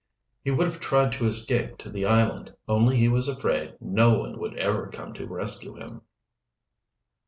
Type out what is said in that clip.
He would have tried to escape to the island, only he was afraid no one would ever come to rescue him.